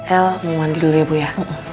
el mau mandi dulu ya bu ya